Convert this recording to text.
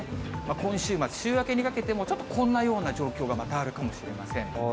今週末、週明けにかけても、ちょっとこんなような状況がまたあるかもしれません。